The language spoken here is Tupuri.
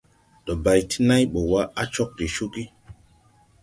Ndo bay ti nãy bɔ wa, a cog de cugi.